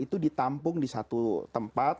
itu ditampung di satu tempat